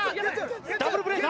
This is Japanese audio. ダブルプレーか？